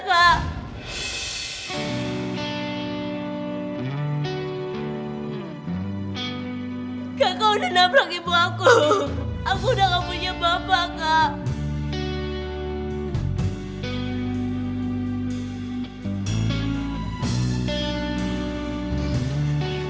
kakak udah nabrak ibu aku aku udah gak punya bapak kak